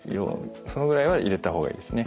そのぐらいは入れた方がいいですね。